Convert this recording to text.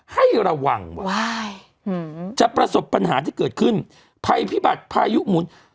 ให้ระวังจะประสบปัญหาที่เกิดขึ้นภัยพิบัติพายุหมุน